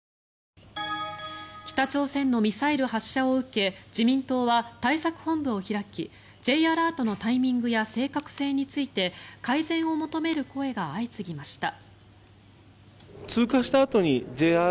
北朝鮮のミサイル発射を受け自民党は対策本部を開きＪアラートのタイミングや正確性について改善を求める声が相次ぎました。